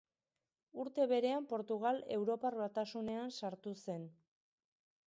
Urte berean Portugal Europar Batasunean sartu zen.